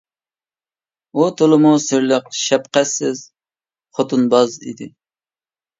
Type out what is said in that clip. ئۇ تولىمۇ سىرلىق، شەپقەتسىز، خوتۇنباز ئىدى.